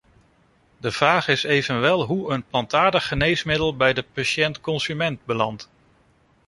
De vraag is evenwel hoe een plantaardig geneesmiddel bij de patiënt-consument belandt.